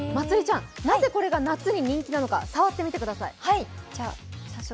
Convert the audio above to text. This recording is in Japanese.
なぜこれが夏に人気なのか触ってみてください。